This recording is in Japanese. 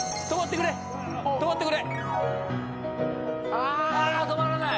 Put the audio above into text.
あ止まらない！